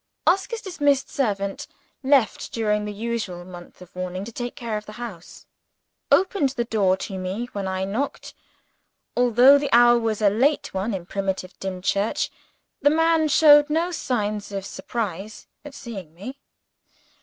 OSCAR'S dismissed servant (left, during the usual month of warning, to take care of the house) opened the door to me when I knocked. Although the hour was already a late one in primitive Dimchurch, the man showed no signs of surprise at seeing me.